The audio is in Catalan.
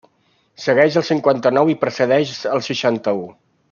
Segueix el cinquanta-nou i precedeix el seixanta-u.